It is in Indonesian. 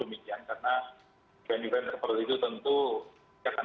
hybrid tentu yang bisa hadir di event tersebut adalah orang orang yang sudah melakukan